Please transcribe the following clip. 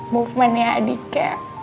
movementnya adi kayak